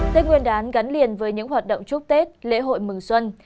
tết nguyên đán gắn liền với những hoạt động chúc tết lễ hội mừng xuân